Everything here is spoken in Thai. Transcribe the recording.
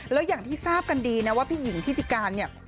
แล้วอย่างที่ทราบกันดีนะว่าพี่หญิงทิติการเนี่ย